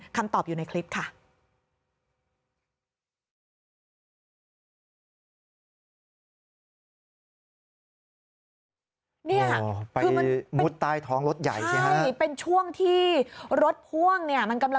คำตอบอยู่ในคลิปค่ะ